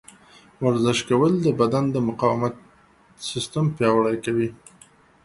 ورزش کول د بدن د مقاومت سیستم پیاوړی کوي.